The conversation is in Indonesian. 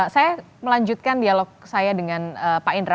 saya melanjutkan dialog saya dengan pak indra